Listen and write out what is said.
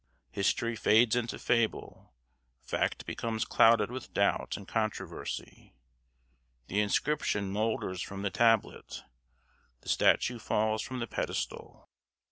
History fades into fable; fact becomes clouded with doubt and controversy; the inscription moulders from the tablet; the statue falls from the pedestal.